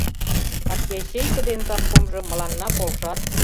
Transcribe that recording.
Партячейке ден завкомжо мыланна полшат.